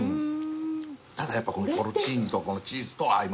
ただやっぱこのポルチーニとこのチーズと合います。